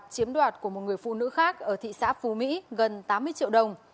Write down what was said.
chiếm đoạt của một người phụ nữ khác ở thị xã phú mỹ gần tám mươi triệu đồng